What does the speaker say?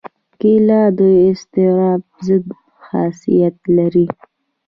کېله د اضطراب ضد خاصیت لري.